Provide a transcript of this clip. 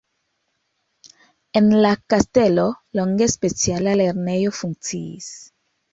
En la kastelo longe speciala lernejo funkciis.